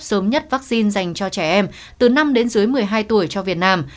sớm nhất vaccine dành cho trẻ em từ năm đến dưới một mươi hai tuổi cho việt nam